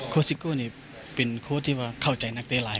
ครอสซิโกนี่เป็นครอสที่ว่าเข้าใจนักเต๊อร์หลาย